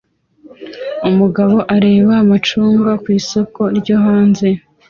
Umugabo ureba amacunga ku isoko ryo hanze